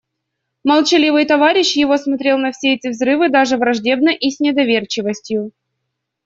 Молчаливый товарищ его смотрел на все эти взрывы даже враждебно и с недоверчивостью.